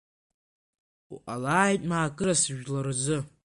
Уҟалааит маакырас жәлар рзы!